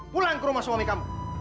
pulang ke rumah suami kamu